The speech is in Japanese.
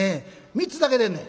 ３つだけでんねん」。